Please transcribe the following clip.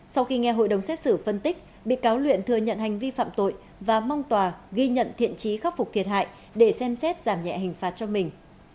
sau khi nghe hội đồng xét xử phân tích bị cáo luyện thừa nhận hành vi phạm tội và mong tòa ghi nhận thiện trí khắc phục thiệt hại để xem xét giảm nhẹ hình phạt cho mình